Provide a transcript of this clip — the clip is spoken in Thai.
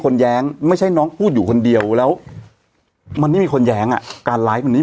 แย้งไม่ใช่น้องพูดอยู่คนเดียวแล้วมันไม่มีคนแย้งอ่ะการไลฟ์วันนี้